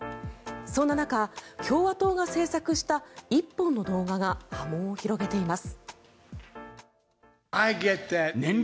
そんな中、共和党が制作した１本の動画が波紋を広げています。